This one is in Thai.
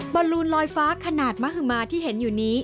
บอลลูนลอยฟ้าขนาดมหมาที่เห็นอยู่นี้